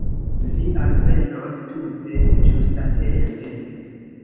Vi alvenos tute ĝustatempe.